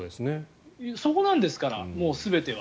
そこなんですから、全ては。